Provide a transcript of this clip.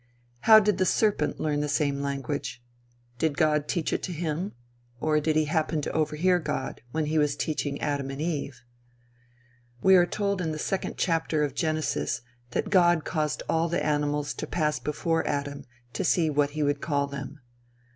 How did the serpent learn the same language? Did God teach it to him, or did he happen to overhear God, when he was teaching Adam and Eve? We are told in the second chapter of Genesis that God caused all the animals to pass before Adam to see what he would call them.